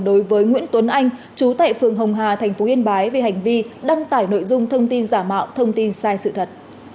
đối với nguyễn tuấn anh chú tại phường hồng hà thành phố yên bái về hành vi đăng tải nội dung thông tin giả mạo thông tin sai sự thật